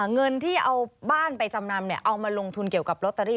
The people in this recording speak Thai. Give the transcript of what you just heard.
เงินที่เอาบ้านไปจำนำเอามาลงทุนเกี่ยวกับลอตเตอรี่